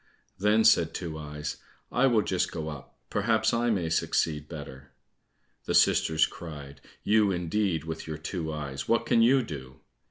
Then said Two eyes, "I will just go up, perhaps I may succeed better." The sisters cried, "You indeed, with your two eyes, what can you do?"